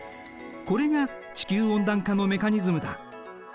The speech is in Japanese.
これが地球温暖化のメカニズムだ。